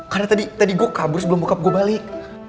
karna tadi tadi gua kabur sebelum bokap gua balik